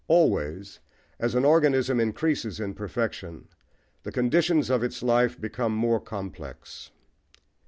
Always, as an organism increases in perfection, the conditions of its life become more complex.